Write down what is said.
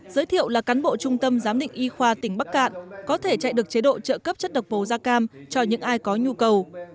giới thiệu là cán bộ trung tâm giám định y khoa tỉnh bắc cạn có thể chạy được chế độ trợ cấp chất độc màu da cam cho những ai có nhu cầu